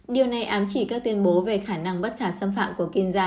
điều này ám chỉ các tuyên bố về khả năng bất thả xâm phạm của kinza